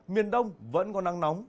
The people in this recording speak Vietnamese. miền đông vẫn có nắng nóng